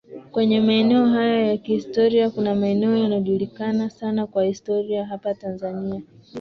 kwenye maeneo haya ya kihistoria Kuna maeneo yanajulikana sana kwa historia hapa Tanzania